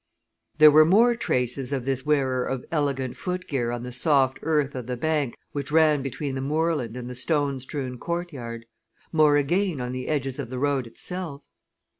There were more traces of this wearer of elegant foot gear on the soft earth of the bank which ran between the moorland and the stone strewn courtyard more again on the edges of the road itself.